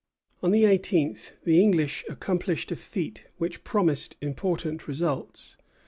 On the eighteenth the English accomplished a feat which promised important results.